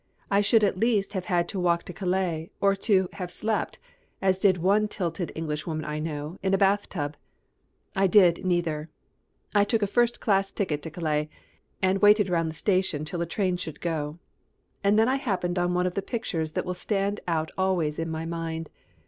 I should at least have had to walk to Calais, or to have slept, as did one titled Englishwoman I know, in a bathtub. I did neither. I took a first class ticket to Calais, and waited round the station until a train should go. And then I happened on one of the pictures that will stand out always in my mind.